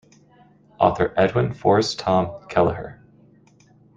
Author Edwin Forrest-Tom Kelleher.